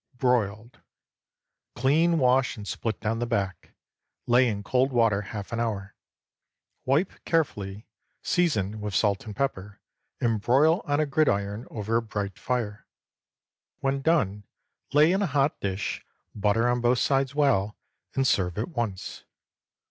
BROILED. Clean, wash, and split down the back. Lay in cold water half an hour. Wipe carefully, season with salt and pepper, and broil on a gridiron over a bright fire. When done, lay in a hot dish, butter on both sides well, and serve at once.